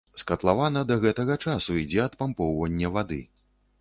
З катлавана да гэтага часу ідзе адпампоўванне вады.